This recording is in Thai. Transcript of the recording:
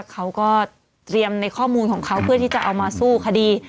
เขาก็เตรียมในข้อมูลของเขาเพื่อที่จะเอามาสู้คดี